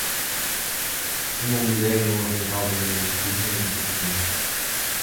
Uma mulher em um avental vermelho que cozinha na cozinha.